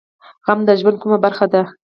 غم د ژوند کومه برخه ده؟